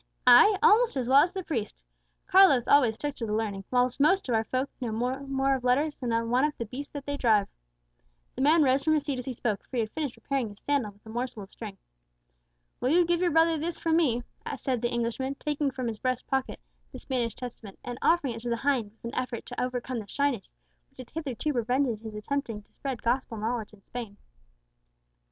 ay, almost as well as the priest. Carlos always took to the learning, whilst most of our folk know no more of letters than one of the beasts that they drive." The man rose from his seat as he spoke, for he had finished repairing his sandal with a morsel of string. "Will you give your brother this from me?" said the Englishman, taking from his breast pocket the Spanish Testament, and offering it to the hind with an effort to overcome the shyness which had hitherto prevented his attempting to spread gospel knowledge in Spain.